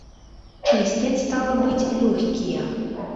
Чысцяць, стала быць, лёгкія.